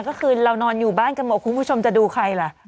ก็คือเรานอนอยู่บ้านกันหมดคุณผู้ชมจะดูใครล่ะ